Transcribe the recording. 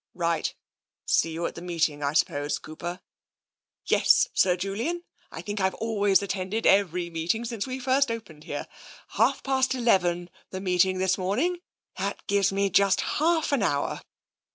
" Right. See you at the meeting, I suppose. Cooper ?"" Yes, Sir Julian. I think I've always attended every meeting since we first opened here. Half past eleven, the meeting this morning; that gives me just half an hour.